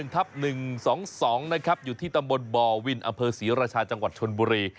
ทับ๑๒๒นะครับอยู่ที่ตำบลบวิณอเวิร์ศรีรชาจังหวัดชนบุรี